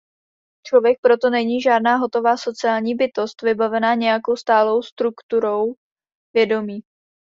Člověk proto není žádná hotová sociální bytost vybavená nějakou stálou strukturou vědomí.